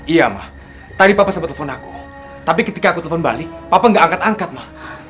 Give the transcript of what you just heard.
iya mah tadi papa sempat telepon aku tapi ketika aku telepon bali papa gak angkat angkat mah